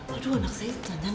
aduh anak saya jajan jajan